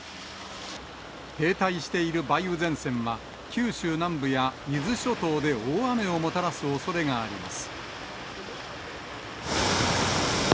停滞している梅雨前線は、九州南部や伊豆諸島で大雨をもたらすおそれがあります。